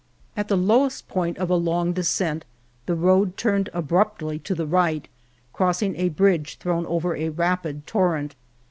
At the lowest point of a long descent the road turned abruptly to the right, crossing a bridge thrown over a rapid torrent.